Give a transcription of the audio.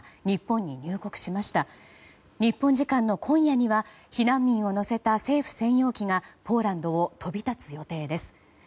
日本時間の今夜には避難民を乗せた政府専用機がポーランドを飛び立つ予定です。